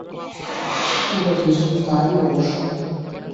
তোমরা দুজন তারই অংশ।